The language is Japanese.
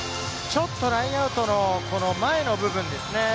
ちょっとラインアウトの前の部分ですね。